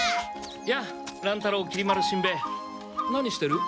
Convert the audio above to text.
やあ乱太郎きり丸しんべヱ何してる？